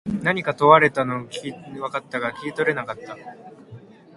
何か問われたのは分かったが、聞き取れなかった。